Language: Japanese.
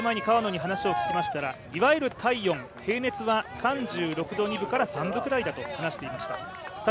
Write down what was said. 大会前に川野に話を聞きましたがいわゆる体温、平熱は３６度２分から３分くらいだと言っていました。